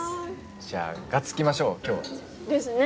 じゃあがっつきましょう今日は。ですね。